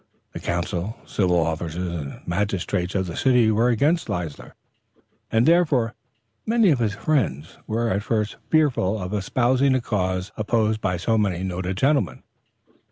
The council, civil officers and magistrates of the city were against Leisler, and therefore many of his friends were at first fearful of espousing a cause opposed by so many noted gentlemen.